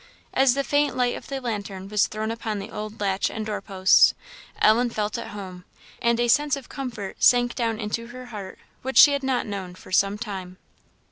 As the faint light of the lantern was thrown upon the old latch and door posts, Ellen felt at home; and a sense of comfort sank down into her heart which she had not known for some time.